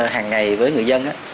hàng ngày với người dân